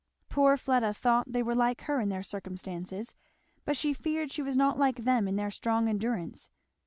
Poor Fleda thought they were like her in their circumstances, but she feared she was not like them in their strong endurance.